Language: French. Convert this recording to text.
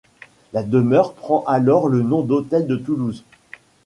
La demeure prend alors le nom d'hôtel de Toulouse.